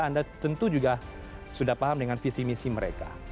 anda tentu juga sudah paham dengan visi misi mereka